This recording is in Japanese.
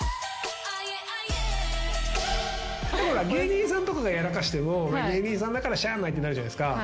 芸人さんとかがやらかしても芸人さんだからしゃあないってなるじゃないですか。